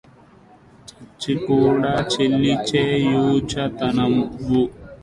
చచ్చి కూడ చీల్చి యిచ్చు తనువు